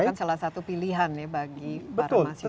inggris merupakan salah satu pilihan ya bagi para mahasiswa ini